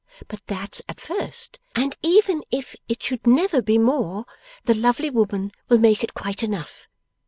But that's at first, and even if it should never be more, the lovely woman will make it quite enough.